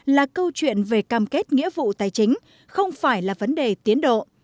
là câu chuyện về cam kết nghĩa vụ tài chính không phải là vấn đề tiến độ